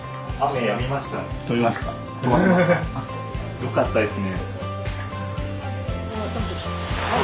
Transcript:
よかったですね。